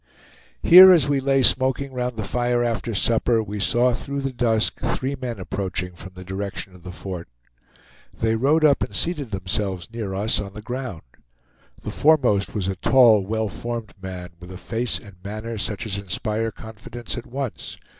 Here, as we lay smoking round the fire after supper, we saw through the dusk three men approaching from the direction of the fort. They rode up and seated themselves near us on the ground. The foremost was a tall, well formed man, with a face and manner such as inspire confidence at once.